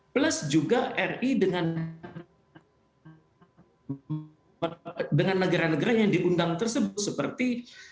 plus juga ri dengan negara negara yang diundang tersebut seperti